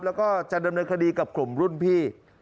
แล้วก็จะดำเนินคดีกับกลุ่มรุ่นพี่